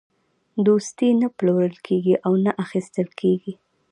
دوستي نه پلورل کېږي او نه اخیستل کېږي.